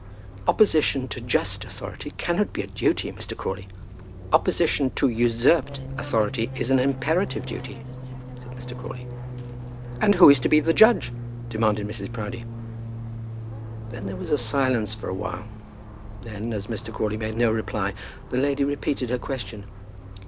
"Opposition to just authority cannot be a duty, Mr. Crawley." "Opposition to usurped authority is an imperative duty," said Mr. Crawley. "And who is to be the judge?" demanded Mrs. Proudie. Then there was silence for a while; when, as Mr. Crawley made no reply, the lady repeated her question.